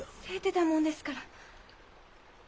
せいてたもんですから。